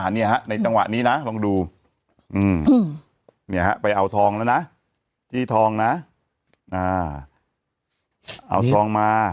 นี่ฮะในจังหวะนี้นะลองดูไปเอาทองแล้วนะจี้ทองนะเอาทองมา